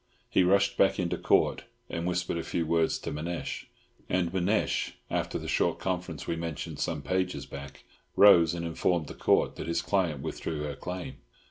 He rushed back into Court, and whispered a few words to Manasseh; and Manasseh, after the short conference we mentioned some pages back, rose and informed the Court that his client withdrew her claim.